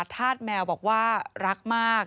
ธาตุแมวบอกว่ารักมาก